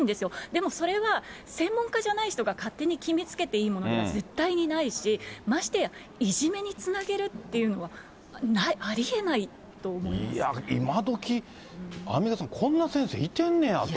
でもそれは、専門家じゃない人が勝手に決めつけていいものでは絶対にないし、ましてやいじめにつなげるっていうのは、いや、今どき、アンミカさん、こんな先生いてんねやと思って。